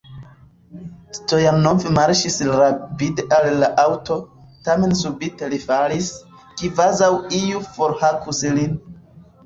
Stojanov marŝis rapide al la aŭto, tamen subite li falis, kvazaŭ iu forhakus lin.